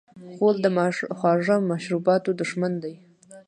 غول د خواږه مشروباتو دښمن دی.